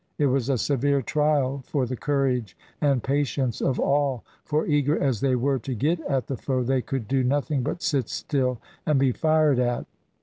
It was a severe trial for the courage and patience of all, for eager as they were to get at the foe, they could do nothing but sit still and be fired at.